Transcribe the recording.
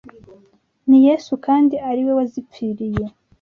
Ni Yesu kandi ari we wazipfiriye